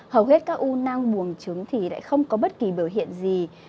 hầu hết các u năng bùng trứng thì lại không có bất kỳ biểu hiện gì